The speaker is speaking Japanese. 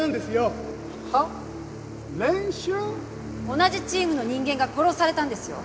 同じチームの人間が殺されたんですよ。